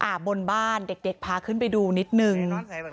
บนบ้านเด็กเด็กพาขึ้นไปดูนิดนึง